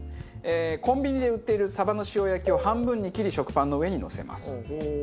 コンビニで売っているサバの塩焼きを半分に切り食パンの上にのせます。